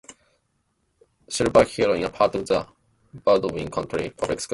Silverhill is a part of the Baldwin County Public Schools system.